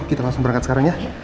kita langsung berangkat sekarang ya